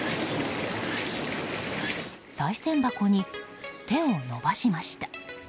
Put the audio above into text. さい銭箱に手を伸ばしました。